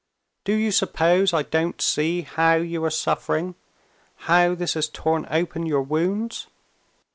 Do you suppose I don't see how you are suffering, how this has torn open your wounds?